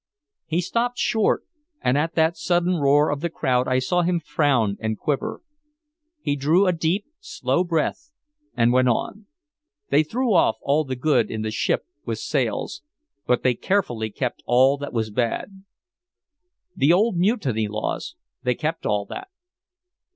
'" He stopped short, and at the sudden roar of the crowd I saw him frown and quiver. He drew a deep, slow breath and went on: "They threw off all the good in the ship with sails but they carefully kept all that was bad. The old mutiny laws they kept all that.